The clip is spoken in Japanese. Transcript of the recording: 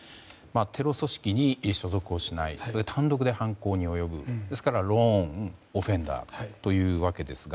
テロ組織に所属しない単独で犯行に及ぶですからローン・オフェンダーというわけですが。